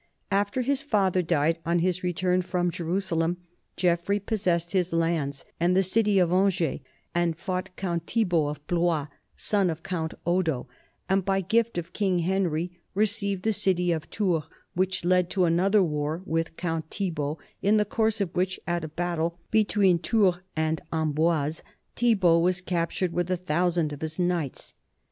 After his father died on his return from Jerusalem, Geoffrey possessed his lands and the city of Angers, and fought Count Thibaud of Blois, son of Count Odo, and by gift of King Henry received the city of Tours, which led to another war with Count Thibaud, in the course of which, at a battle between Tours and Amboise, Thibaud was cap tured with a thousand of his knights.